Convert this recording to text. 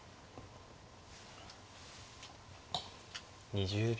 ２０秒。